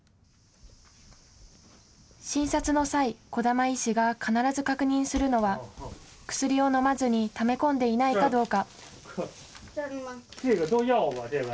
診察の際、児玉医師が必ず確認するのは、薬を飲まずにため込んでいないかどうか。